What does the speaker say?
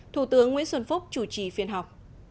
thủ tướng nguyễn xuân phúc chủ trì phiên họp